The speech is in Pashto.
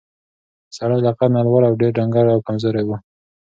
سړی له قد نه لوړ او ډېر ډنګر او کمزوری و.